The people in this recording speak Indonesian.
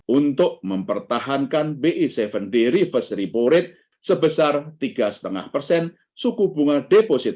untuk mempertahankan by tujuh di reverse riporate sebesar tiga setengah persen suku bunga deposit